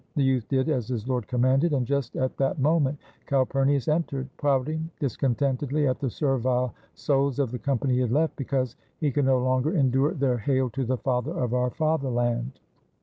The youth did as his lord commanded, and just at that moment Calpurnius entered, pouting discontentedly at the servile souls of the company he had left, because he could no longer endure their '' Hail to the father of our fatherland!"